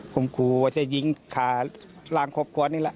ข่มข่วว่าจะยิงขาลางคอบควอนเนี่ยละ